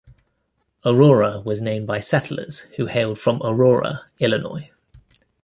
Aurora was named by settlers who hailed from Aurora, Illinois.